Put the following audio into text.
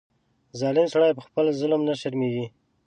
ظالم سړی په خپل ظلم نه شرمېږي.